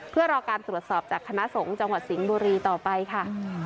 เพื่อรอการตรวจสอบจากคณะสงฆ์จังหวัดสิงห์บุรีต่อไปค่ะ